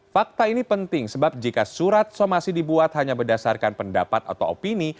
fakta ini penting sebab jika surat somasi dibuat hanya berdasarkan pendapat atau opini